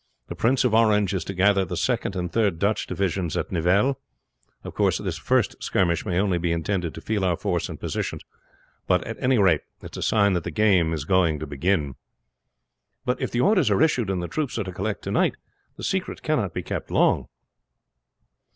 The Prince of Orange is to gather the second and third Dutch divisions at Nivelles. Of course this first skirmish may only be intended to feel our force and positions; but at any rate, it is a sign that the game is going to begin." "But if the orders are issued, and the troops are to collect to night, the secret cannot be kept long."